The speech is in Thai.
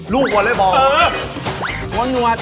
ลูกวอเลบอลเซิร์ฟ